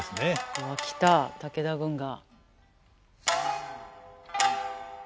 うわ来た武田軍が。